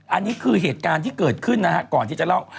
อันนี้คือเหตุการณ์ที่เกิดขึ้นนะฮะก่อนที่จะเล่า